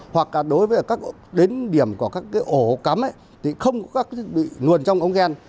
hoặc đối với đến điểm của các ổ cắm thì không có các thiết bị luôn trong ống ghen